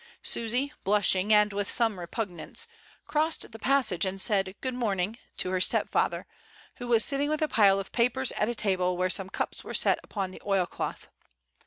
Susy, blushing, and with some repugnance, crossed the passage and said "Good morning" to her stepfather, who was sitting with a pile of papers at a table where some cups were set upon the oil cloth.